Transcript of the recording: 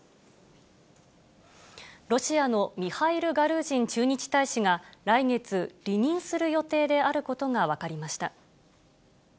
ロシアのミハイル・ガルージン駐日大使が、来月離任する予定であることが分かりました。